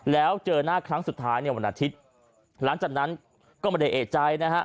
แล้วเจอหน้าครั้งสุดท้ายในวันอาทิตย์หลังจากนั้นก็ไม่ได้เอกใจนะฮะ